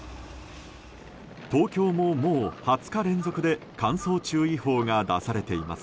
東京も、もう２０日連続で乾燥注意報が出されています。